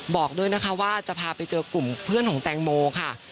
บอกด้วยนะคะว่าจะพาไปเจอกลุ่มเพื่อนของแตงโมค่ะ